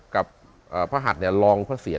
กับพระหัตรลองพระเสียร